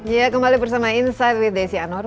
ya kembali bersama insight with desi anwar